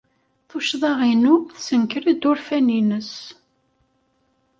Tuccḍa-inu tessenker-d urfan-nnes.